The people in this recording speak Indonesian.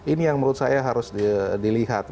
ini yang menurut saya harus dilihat